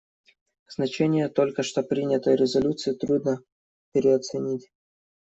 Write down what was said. Значение только что принятой резолюции трудно переоценить.